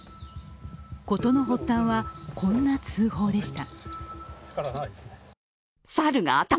事の発端はこんな通報でした。